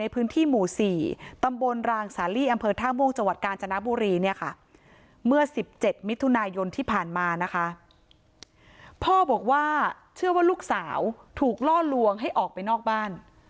พ่อบอกว่าเชื่อว่าลูกสาวถูกล่อลวงให้ออกไปนอกบ้าน